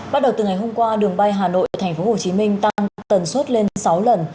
bắt đầu từ ngày hôm qua đường bay hà nội tp hcm tăng tần suất lên sáu lần